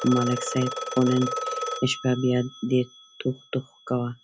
ملک صاحب خو نن شپه بیا ډېر ټوخ ټوخ کاوه